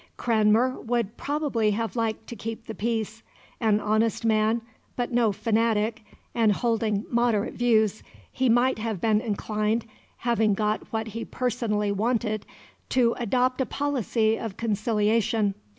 Cranmer would probably have liked to keep the peace. An honest man, but no fanatic and holding moderate views, he might have been inclined, having got what he personally wanted, to adopt a policy of conciliation.